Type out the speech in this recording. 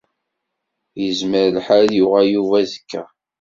Izmer lḥal ad yuɣal Yuba azekka.